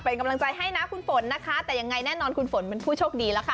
เป็นกำลังใจให้นะคุณฝนนะคะแต่ยังไงแน่นอนคุณฝนเป็นผู้โชคดีแล้วค่ะ